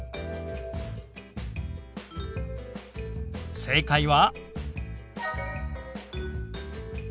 正解は。